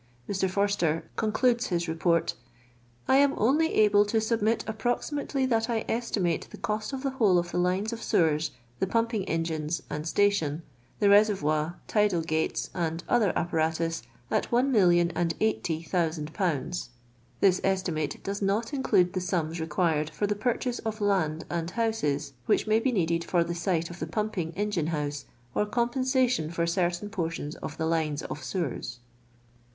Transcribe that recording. Mr. Forster concludes his Report: —" I am only able to submit approximately that I estimate the cnst of the whole of the lines of sewers, the pumpincf en riiM's, and station, the reservoir, tidal gatt.'8. and oihi r apparatus, at one million and cijjhty thousand poundn (1,0S0,000/.) This esti mate does not include the sums required for the purchase of land and houhes*. which may be needed for tlie site of the pumpin;; engine house, or coni pen.sition for cert^iiii portions of the lines of sewers."